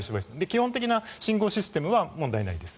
基本的な信号システムは問題ないです。